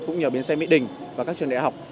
cũng như là biến xe mỹ đình và các trường đại học